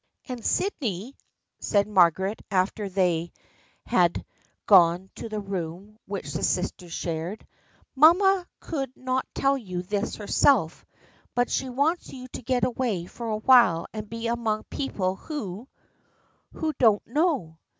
" And, Sydney," said Margaret after they had 16 THE FBXENDSHXP OF ANNE gone to the room which the sisters shared, " mamma could not tell you this herself, but she wants you to get away for awhile and be among people who — who don't know.